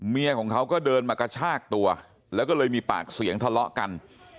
ของเขาก็เดินมากระชากตัวแล้วก็เลยมีปากเสียงทะเลาะกัน